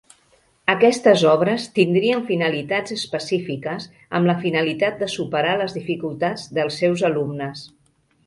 Aquestes obres tindrien finalitats específiques amb la finalitat de superar les dificultats dels seus alumnes.